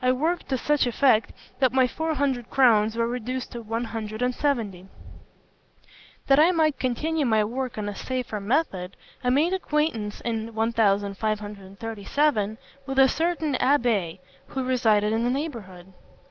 I worked to such effect that my four hundred crowns were reduced to one hundred and seventy. "That I might continue my work on a safer method, I made acquaintance, in 1537, with a certain abbé who resided in the neighbourhood.